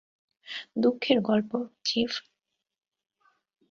দুঃখের গল্প, চিফ।